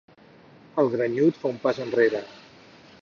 El grenyut fa un pas enrere.